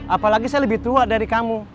apalagi saya lebih tua dari kamu